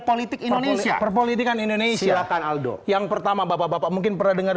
politik indonesia perpolitikan indonesia akan aldo yang pertama bapak bapak mungkin pernah dengar